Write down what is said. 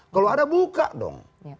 kalau ada buka dong